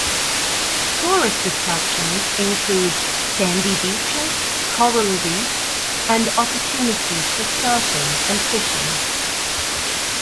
Tourist attractions include sandy beaches, coral reefs, and opportunities for surfing and fishing.